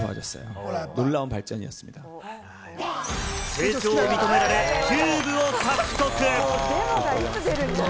成長を認められ、キューブを獲得。